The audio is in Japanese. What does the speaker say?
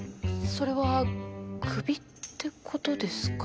それはクビってことですか？